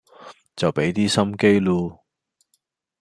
就比啲心機嚕